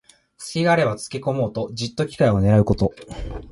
すきがあればつけこもうと、じっと機会をねらうこと。